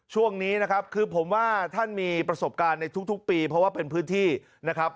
ช่วงนี้นะครับคือผมว่าท่านมีประสบการณ์ในทุกปีเพราะว่าเป็นพื้นที่นะครับ